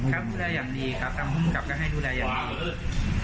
ดูแลอย่างดีครับทางภูมิกับก็ให้ดูแลอย่างดี